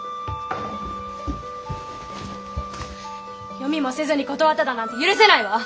読みもせずに断っただなんて許せないわ！